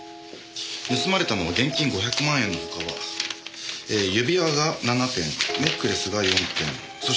盗まれたのは現金５００万円のほかは指輪が７点ネックレスが４点そしてオルゴールでしたね。